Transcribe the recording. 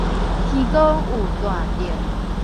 天公有帶著